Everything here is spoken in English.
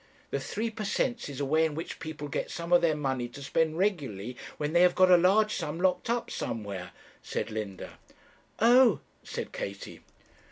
'The three per cents is a way in which people get some of their money to spend regularly, when they have got a large sum locked up somewhere,' said Linda. 'Oh!' said Katie.